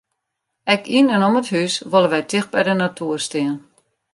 Ek yn en om it hús wolle wy ticht by de natoer stean.